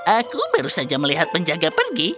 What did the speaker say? aku baru saja melihat penjaga pergi